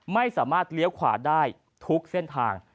ไม่สามารถเลี้ยวขวาได้ทุกเส้นทาง